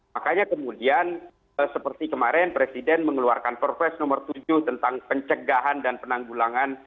makanya kemudian seperti kemarin presiden mengeluarkan perpres nomor tujuh tentang pencegahan dan penanggulangan